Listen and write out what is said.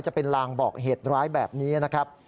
จะเป็นลางบอกเหตุร้ายแบบนี้นะครับ